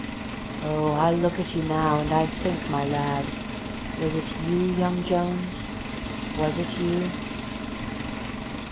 ... Oh, I look at you now and I think, my lad, Was it you, young Jones, was it you?